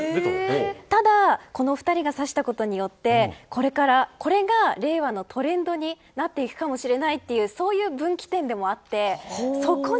ただ、この２人が指したことによってこれから、これが令和のトレンドになっていくかもしれないというそういう分岐点でもあって。